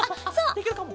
できるかも。